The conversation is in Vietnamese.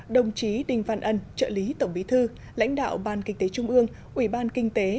đồng chí đinh văn ân trợ lý tổng bí thư lãnh đạo ban kinh tế trung ương ủy ban kinh tế